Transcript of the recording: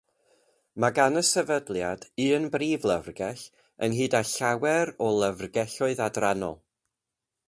Mae gan y Sefydliad un Brif Lyfrgell ynghyd â llawer o Lyfrgelloedd Adrannol.